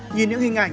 nhìn những hình ảnh